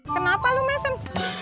kenapa lo mesen